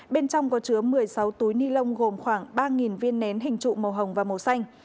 bên trong có chứa một mươi sáu túi ni lông gồm khoảng ba viên nén hình trụ màu hồng và màu xanh